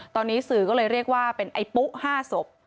ตอนนี้สื่อก็เลยเรียกว่าเป็นไอ้ปุ๊๕ศพ